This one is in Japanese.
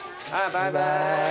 バイバイ。